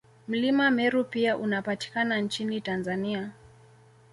Mlima Meru pia unapatikana nchini Tanzania